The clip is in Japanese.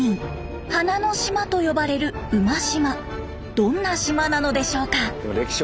どんな島なのでしょうか？